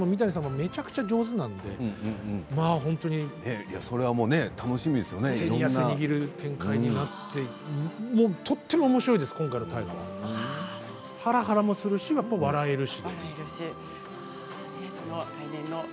めちゃくちゃ上手なので手に汗握る展開になってとてもおもしろいです、今回の大河ははらはらするし笑えるし。